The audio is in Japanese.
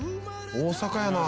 大阪やな。